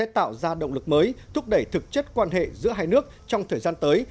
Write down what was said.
tạo ra động lực mới thúc đẩy thực chất quan hệ giữa hai nước trong thời gian tới